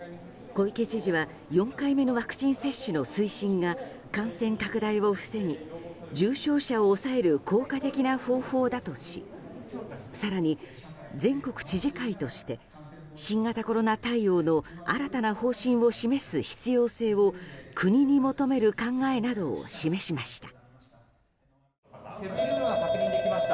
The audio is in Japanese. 小池知事は４回目のワクチン接種の推進が感染拡大を防ぎ、重症者を抑える効果的な方法だとし更に、全国知事会として新型コロナ対応の新たな方針を示す必要性を国に求める考えなどを示しました。